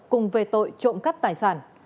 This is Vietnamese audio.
cùng về tội trộm các tài sản